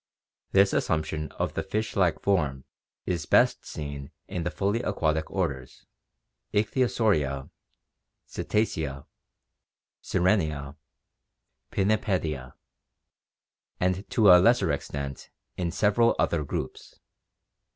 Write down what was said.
This assumption of the fish like form is best seen in the fully aquatic orders — Ichthyosauria, Cetacea, Sirenia, Pin nipedia — and to a lesser extent in several other groups.